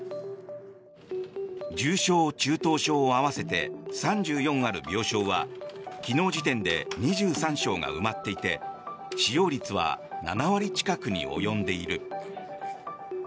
重症・中等症合わせて３４ある病床は昨日時点で２３床が埋まっていて使用率は７割近くに及んでいる。